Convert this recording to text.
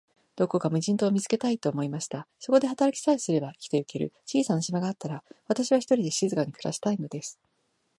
どこか無人島を見つけたい、と思いました。そこで働きさえすれば、生きてゆける小さな島があったら、私は、ひとりで静かに暮したいのです。